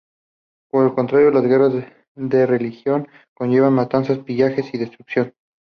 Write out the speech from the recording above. Por el contrario, las guerras de religión conllevaron matanzas, pillaje y destrucción.